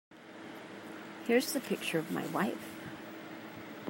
Here's the picture of my wife.